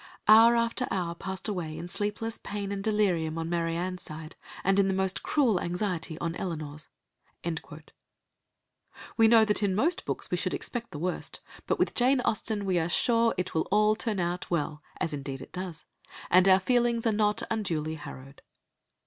'... Hour after hour passed away in sleepless pain and delirium on Marianne's side, and in the most cruel anxiety on Elinor's," we know that in most books we should expect the worst, but with Jane Austen we are sure that it will all turn out well, as indeed it does, and our feelings are not unduly harrowed.